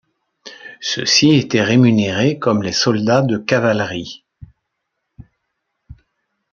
Ceux-ci étaient rémunérés comme les soldats de cavalerie.